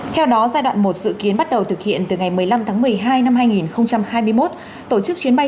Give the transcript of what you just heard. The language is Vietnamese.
theo đó giai đoạn một dự kiến bắt đầu thực hiện từ ngày một mươi năm tháng một mươi hai năm hai nghìn hai mươi một tổ chức chuyến bay